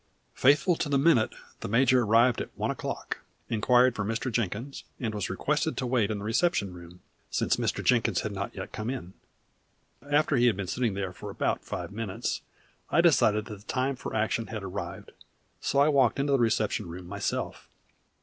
Faithful to the minute the major arrived at one o'clock, inquired for Mr. Jenkins, and was requested to wait in the reception room, since Mr. Jenkins had not yet come in. After he had been sitting there for about five minutes I decided that the time for action had arrived; so I walked into the reception room myself.